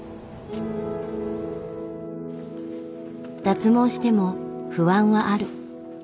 脱毛しても不安はある。